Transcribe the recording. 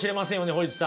堀内さん。